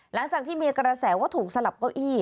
หลังจากที่มีกระแสว่าถูกสลับเก้าอี้